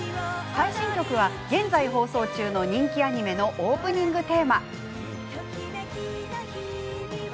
最新曲は現在、放送中の人気アニメのオープニングテーマ。